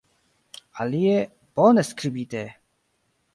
Alie, bone skribite!